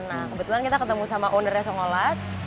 nah kebetulan kita ketemu sama ownernya songolas